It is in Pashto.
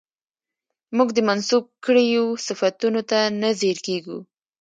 موږ دې منسوب کړيو صفتونو ته نه ځير کېږو